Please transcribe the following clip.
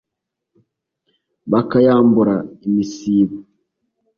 bakayambura imisibo!